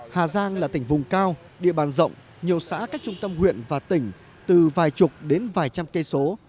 hà giang là tỉnh vùng cao địa bàn rộng nhiều xã cách trung tâm huyện và tỉnh từ vài chục đến vài trăm cây số